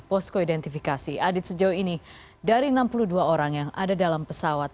posko identifikasi adit sejauh ini dari enam puluh dua orang yang ada dalam pesawat